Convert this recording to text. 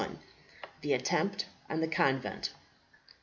THE ATTEMPT ON THE CONVENT.